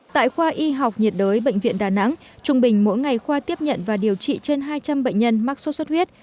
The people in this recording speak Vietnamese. tại khoa y học nhiệt đới bệnh viện đà nẵng trung bình mỗi ngày khoa tiếp nhận và điều trị trên hai trăm linh bệnh nhân mắc sốt xuất huyết